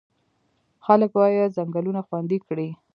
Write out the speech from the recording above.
خلک باید ځنګلونه خوندي کړي.